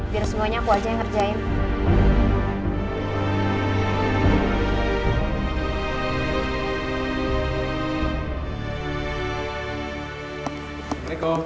biar semuanya aku aja yang ngerjain